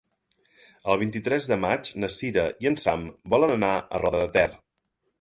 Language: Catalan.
El vint-i-tres de maig na Sira i en Sam volen anar a Roda de Ter.